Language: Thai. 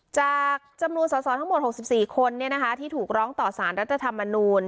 จากจำนวนสอสอทั้งหมดหกสิบสี่คนเนี้ยนะคะที่ถูกร้องต่อสารรัฐธรรมนูญ